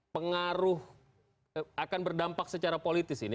pengaruh akan berdampak secara politis ini